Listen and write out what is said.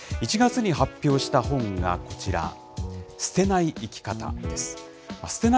１月に発表した本がこちら、捨てない生きかたです。